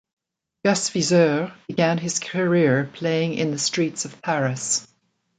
Gus Viseur began his career playing in the streets of Paris.